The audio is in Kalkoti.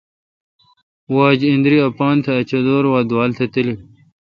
واجتے° ایندری اپان تہ اچدور وا دووال تہ تلیل۔